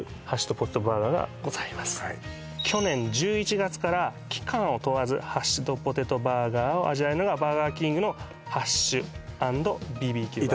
去年１１月から期間を問わずハッシュドポテトバーガーを味わえるのがバーガーキングのハッシュ＆ＢＢＱ